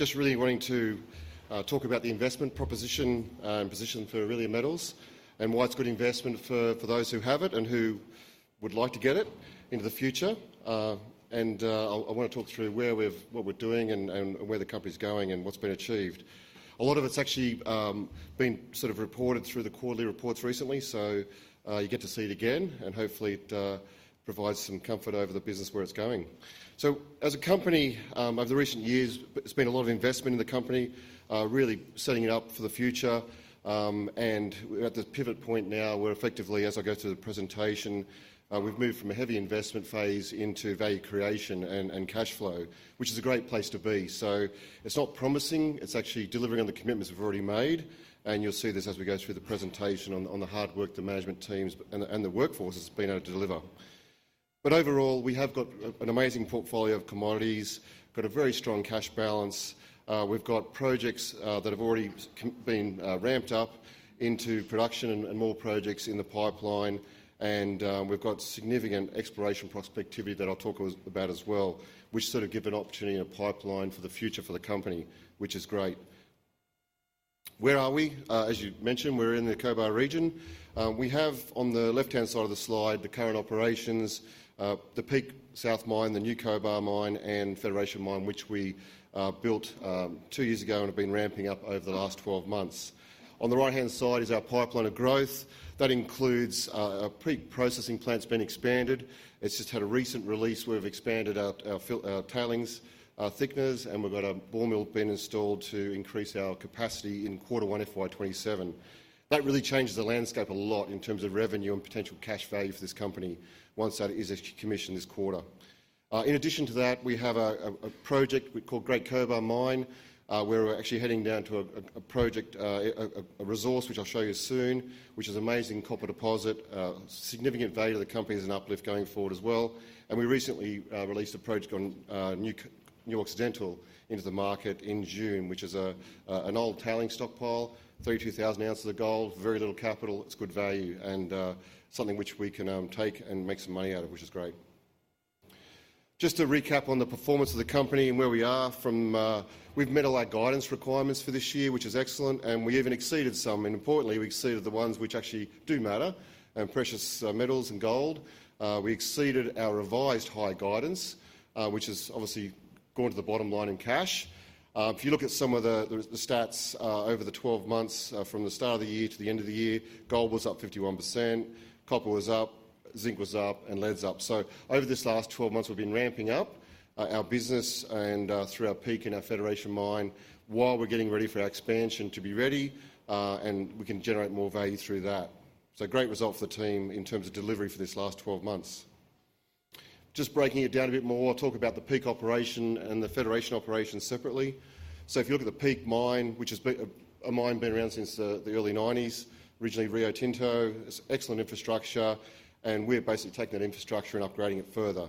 Wanting to talk about the investment proposition and position for Aurelia Metals and why it's a good investment for those who have it and who would like to get it into the future. I'll want to talk through what we're doing and where the company's going and what's been achieved. A lot of it's actually been reported through the quarterly reports recently, so you get to see it again, and hopefully it provides some comfort over the business where it's going. As a company, over the recent years, there's been a lot of investment in the company, really setting it up for the future. We're at the pivot point now where effectively, as I go through the presentation, we've moved from a heavy investment phase into value creation and cash flow, which is a great place to be. It's not promising, it's actually delivering on the commitments we've already made. You'll see this as we go through the presentation on the hard work the management teams and the workforce has been able to deliver. Overall, we have got an amazing portfolio of commodities, got a very strong cash balance. We've got projects that have already been ramped up into production and more projects in the pipeline. We've got significant exploration prospectivity that I'll talk about as well, which give an opportunity and a pipeline for the future for the company, which is great. Where are we? As you mentioned, we're in the Cobar region. We have, on the left-hand side of the slide, the current operations, the Peak South Mine, the New Cobar Mine, and Federation Mine, which we built two years ago and have been ramping up over the last 12 months. On the right-hand side is our pipeline of growth. That includes our pre-processing plant's been expanded. It's just had a recent release. We've expanded our tailings thickeners, and we've got a ball mill being installed to increase our capacity in quarter one, FY 2027. That really changes the landscape a lot in terms of revenue and potential cash value for this company once that is commissioned this quarter. In addition to that, we have a project we call Great Cobar Mine, where we're actually heading down to a resource, which I'll show you soon, which is an amazing copper deposit. Significant value to the company as an uplift going forward as well. We recently released a project on New Occidental into the market in June, which is an old tailing stockpile, 32,000 ounces of gold, very little capital. It's good value and something which we can take and make some money out of, which is great. Just to recap on the performance of the company and where we are. We've met all our guidance requirements for this year, which is excellent, and we even exceeded some. Importantly, we exceeded the ones which actually do matter. Precious metals and gold. We exceeded our revised high guidance, which has obviously gone to the bottom line in cash. If you look at some of the stats over the 12 months from the start of the year to the end of the year, gold was up 51%, copper was up, zinc was up, and lead's up. Over this last 12 months, we've been ramping up our business and through our Peak and our Federation Mine while we're getting ready for our expansion to be ready. We can generate more value through that. Great result for the team in terms of delivery for these last 12 months. Just breaking it down a bit more, I will talk about the Peak operation and the Federation operation separately. If you look at the Peak Mine, which is a mine been around since the early 90s, originally Rio Tinto. It is excellent infrastructure, and we are basically taking that infrastructure and upgrading it further.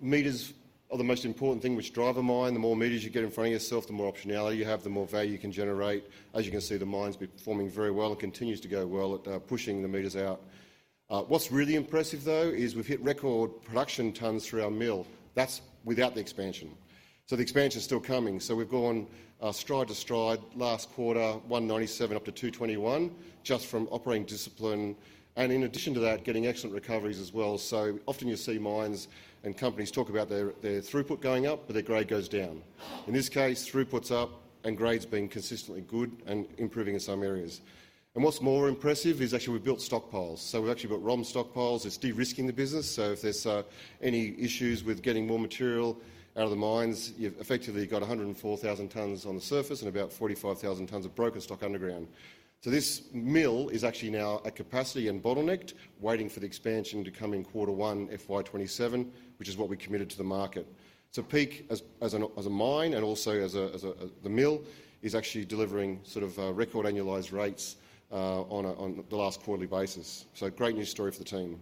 Meters are the most important thing which drive a mine. The more meters you get in front of yourself, the more optionality you have, the more value you can generate. As you can see, the mine has been performing very well and continues to go well at pushing the meters out. What is really impressive, though, is we have hit record production tons through our mill. That is without the expansion. The expansion is still coming. We have gone stride to stride last quarter, 197 up to 221, just from operating discipline. In addition to that, getting excellent recoveries as well. Often you see mines and companies talk about their throughput going up, but their grade goes down. In this case, throughput is up and grade has been consistently good and improving in some areas. What is more impressive is actually we have built stockpiles. We have actually built ROM stockpiles. It is de-risking the business. If there is any issues with getting more material out of the mines, you have effectively got 104,000 tons on the surface and about 45,000 tons of broken stock underground. This mill is actually now at capacity and bottlenecked, waiting for the expansion to come in quarter one, FY 2027, which is what we committed to the market. Peak as a mine and also as the mill is actually delivering record annualized rates on the last quarterly basis. Great news story for the team.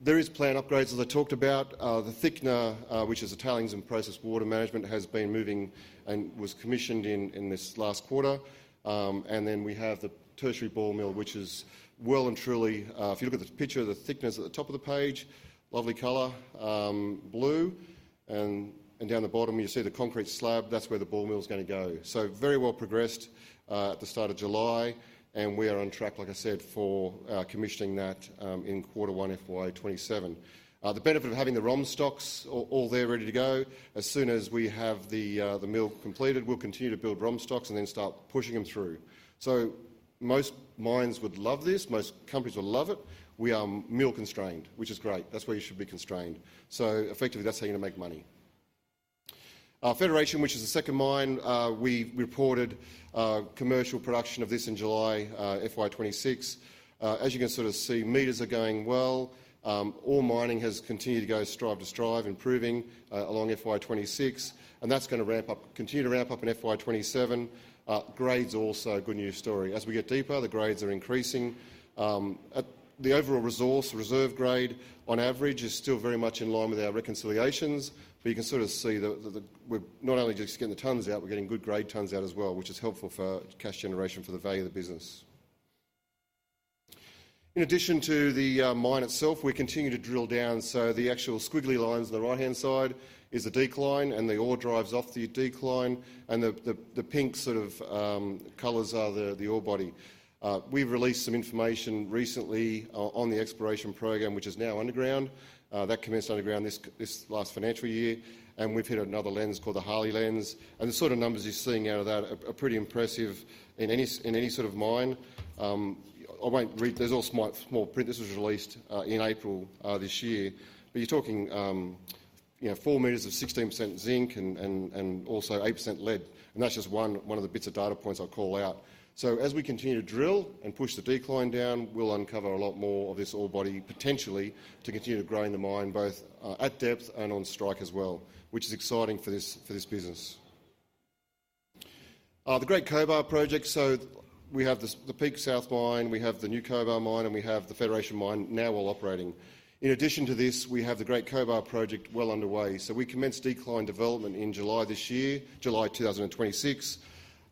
There is plant upgrades, as I talked about. The thickener, which is a tailings and processed water management, has been moving and was commissioned in this last quarter. Then we have the tertiary ball mill, which is well and truly, if you look at the picture of the thickeners at the top of the page, lovely color, blue. Down the bottom, you see the concrete slab. That is where the ball mill is going to go. Very well progressed at the start of July, and we are on track, like I said, for commissioning that in quarter one, FY 2027. The benefit of having the ROM stocks all there ready to go. As soon as we have the mill completed, we will continue to build ROM stocks and then start pushing them through. Most mines would love this. Most companies would love it. We are mill constrained, which is great. That is where you should be constrained. Effectively, that is how you are going to make money. Federation, which is the second mine, we reported commercial production of this in July, FY 2026. As you can see, meters are going well. Ore mining has continued to go stride to stride, improving along FY 2026, and that is going to continue to ramp up in FY 2027. Grade is also a good news story. As we get deeper, the grades are increasing. The overall resource reserve grade on average is still very much in line with our reconciliations, you can sort of see that we're not only just getting the tonnes out, we're getting good grade tonnes out as well, which is helpful for cash generation for the value of the business. In addition to the mine itself, we continue to drill down. The actual squiggly lines on the right-hand side is a decline and the ore drives off the decline, and the pink sort of colors are the ore body. We've released some information recently on the exploration program, which is now underground. That commenced underground this last financial year, and we've hit another lens called the Harley Lens. The sort of numbers you're seeing out of that are pretty impressive in any sort of mine. I won't read, there's all small print. This was released in April this year. You're talking four meters of 16% zinc and also 8% lead. That's just one of the bits of data points I'll call out. As we continue to drill and push the decline down, we'll uncover a lot more of this ore body, potentially, to continue to grow in the mine, both at depth and on strike as well. Which is exciting for this business. The Great Cobar Project. We have the Peak South mine, we have the New Cobar mine, and we have the Federation mine now all operating. In addition to this, we have the Great Cobar Project well underway. We commenced decline development in July this year, July 2026,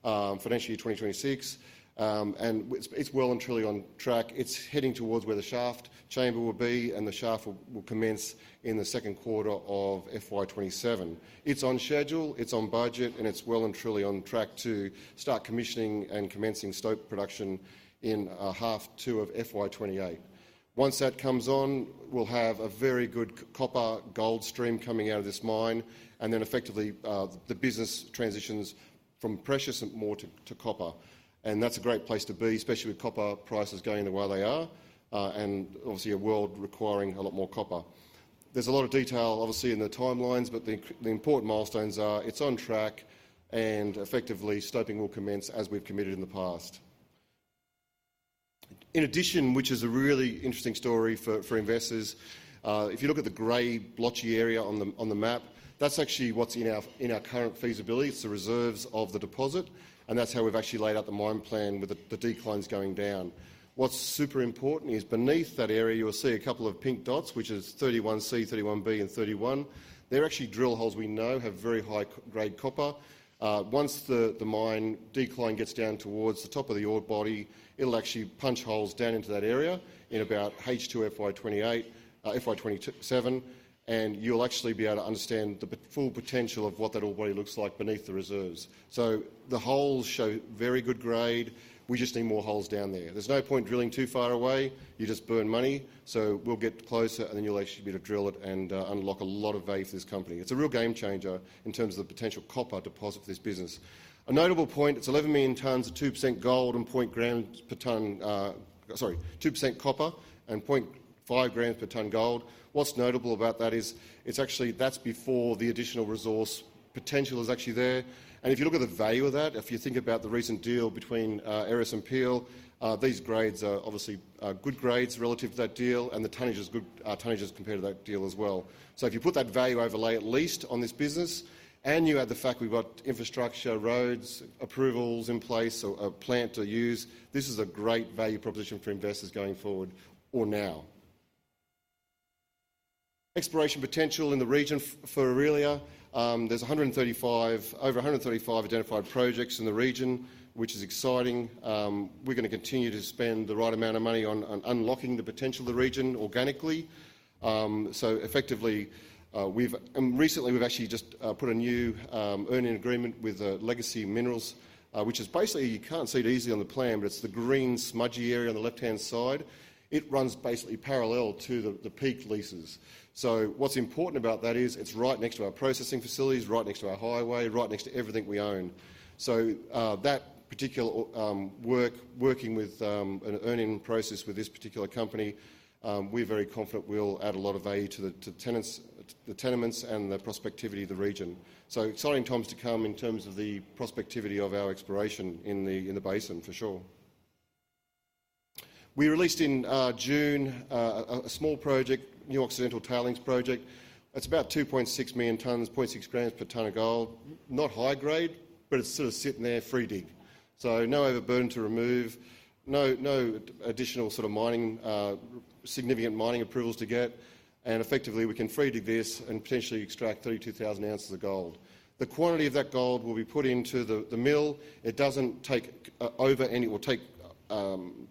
FY 2026, and it's well and truly on track. It's heading towards where the shaft chamber will be, and the shaft will commence in the second quarter of FY 2027. It's on schedule, it's on budget, and it's well and truly on track to start commissioning and commencing stope production in half two of FY 2028. Once that comes on, we'll have a very good copper gold stream coming out of this mine, then effectively, the business transitions from precious and more to copper. That's a great place to be, especially with copper prices going the way they are. Obviously, a world requiring a lot more copper. There's a lot of detail, obviously, in the timelines, but the important milestones are it's on track and effectively stoping will commence as we've committed in the past. In addition, which is a really interesting story for investors, if you look at the gray blotchy area on the map, that's actually what's in our current feasibility. It's the reserves of the deposit, and that's how we've actually laid out the mine plan with the declines going down. What's super important is beneath that area, you'll see a couple of pink dots, which is 31C, 31B, and 31. They're actually drill holes we know have very high-grade copper. Once the mine decline gets down towards the top of the ore body, it'll actually punch holes down into that area in about H2 FY 2028, FY 2027. You'll actually be able to understand the full potential of what that ore body looks like beneath the reserves. The holes show very good grade. We just need more holes down there. There's no point drilling too far away. You just burn money. We'll get closer, then you'll actually be to drill it and unlock a lot of value for this company. It's a real game changer in terms of the potential copper deposit for this business. A notable point, it's 11 million tons of 2% gold and 0.5 grams per ton. Sorry, 2% copper and 0.5 grams per ton gold. What's notable about that is it's actually, that's before the additional resource potential is actually there. If you look at the value of that, if you think about the recent deal between Aeris and Peel, these grades are obviously good grades relative to that deal, and the tonnage is compared to that deal as well. If you put that value overlay at least on this business, and you add the fact we've got infrastructure, roads, approvals in place, a plant to use. This is a great value proposition for investors going forward or now. Exploration potential in the region for Aurelia. There's over 135 identified projects in the region, which is exciting. We're going to continue to spend the right amount of money on unlocking the potential of the region organically. Effectively, and recently we've actually just put a new earning agreement with Legacy Minerals. Which is basically, you can't see it easily on the plan, but it's the green smudgy area on the left-hand side. It runs basically parallel to the Peak leases. What's important about that is it's right next to our processing facilities, right next to our highway, right next to everything we own. That particular work, working with an earning process with this particular company, we're very confident will add a lot of value to the tenements and the prospectivity of the region. Exciting times to come in terms of the prospectivity of our exploration in the basin, for sure. We released in June, a small project, New Occidental Tailings Project. It's about 2.6 million tons, 0.6 grams per ton of gold. Not high grade, but it's sort of sitting there free dig. No overburden to remove, no additional sort of significant mining approvals to get, effectively, we can free dig this and potentially extract 32,000 ounces of gold. The quantity of that gold will be put into the mill. It doesn't take over any, or take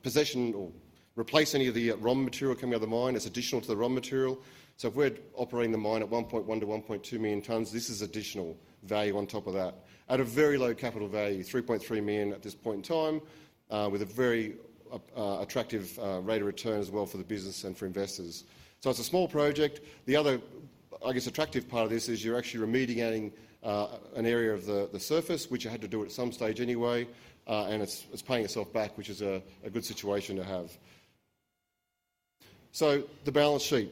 possession or replace any of the raw material coming out of the mine. It's additional to the raw material. If we're operating the mine at 1.1 million-1.2 million tons, this is additional value on top of that. At a very low capital value, 3.3 million at this point in time, with a very attractive rate of return as well for the business and for investors. It's a small project. The other, I guess, attractive part of this is you're actually remediating an area of the surface, which you had to do at some stage anyway. It's paying itself back, which is a good situation to have. The balance sheet.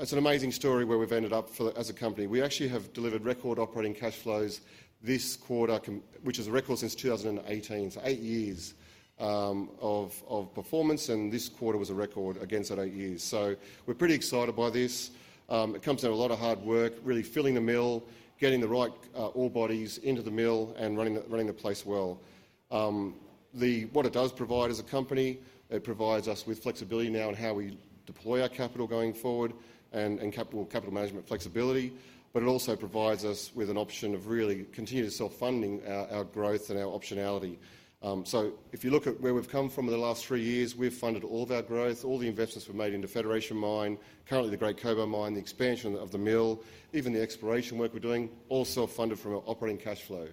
It's an amazing story where we've ended up as a company. We actually have delivered record operating cash flows this quarter, which is a record since 2018. Eight years of performance, and this quarter was a record against that eight years. We're pretty excited by this. It comes down to a lot of hard work, really filling the mill, getting the right ore bodies into the mill, and running the place well. What it does provide as a company, it provides us with flexibility now in how we deploy our capital going forward and capital management flexibility. It also provides us with an option of really continued self-funding our growth and our optionality. If you look at where we've come from in the last three years, we've funded all of our growth, all the investments we've made into Federation Mine, currently the Great Cobar Mine, the expansion of the mill, even the exploration work we're doing, all self-funded from our operating cash flow.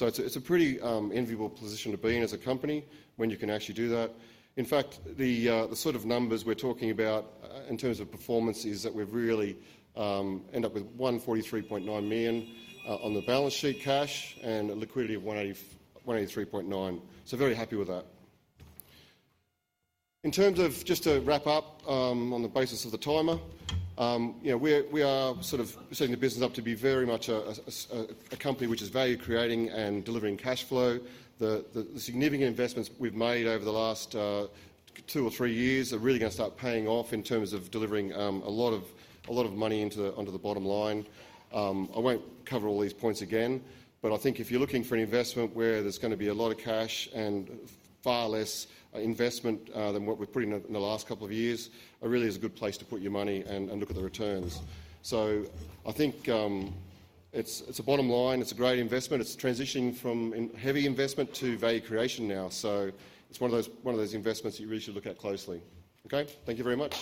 It's a pretty enviable position to be in as a company when you can actually do that. In fact, the sort of numbers we're talking about in terms of performance is that we've really end up with 143.9 million on the balance sheet cash and a liquidity of 183.9 million. Very happy with that. In terms of just to wrap up, on the basis of the timer. We are sort of setting the business up to be very much a company which is value creating and delivering cash flow. The significant investments we've made over the last two or three years are really going to start paying off in terms of delivering a lot of money onto the bottom line. I won't cover all these points again, but I think if you're looking for an investment where there's going to be a lot of cash and far less investment than what we've put in the last couple of years, Aurelia's a good place to put your money and look at the returns. I think, it's a bottom line. It's a great investment. It's transitioning from heavy investment to value creation now. It's one of those investments that you really should look at closely. Okay, thank you very much.